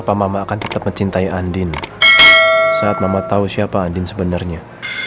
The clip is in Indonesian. bapak mama akan tetap mencintai andin saat mama tahu siapa andin sebenarnya